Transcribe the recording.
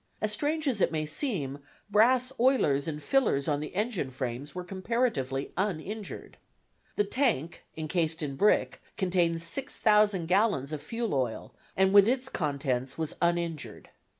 As strange as it may seem brass oilers and fillers on the engine frames were comparatively uninjured. The tank, encased in brick, contained 6,000 gallons of fuel oil, and with its contents was uninjured.